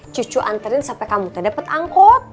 cucu anterin sampai kamu tidak dapat angkot